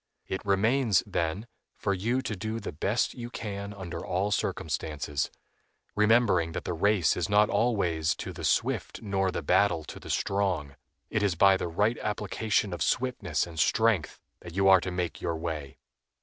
It remains, then, for you to do the best you can under all circumstances, remembering that the race is not always to the swift nor the battle to the strong. It is by the right application of swiftness and strength that you are to make your way.